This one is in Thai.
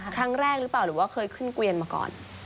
ครั้งแรกหรือเปล่าหรือว่าเคยขึ้นเกวียนมาก่อน